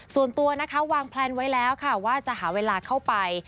ส่วนตัวนะคะวางแพลนไว้แล้วค่ะว่าจะหาเวลาเข้าไป